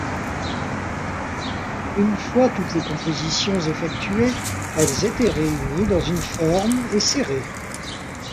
Une fois toutes les compositions effectuées, elles étaient réunies dans une forme et serrées.